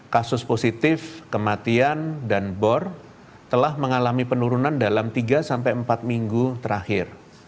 kasus positif kematian dan bor telah mengalami penurunan dalam tiga sampai empat minggu terakhir